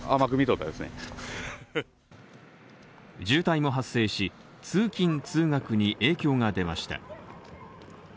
渋滞も発生し、通勤・通学に影響が出ました。